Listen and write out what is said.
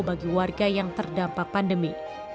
bagi warga yang terdampak pandemi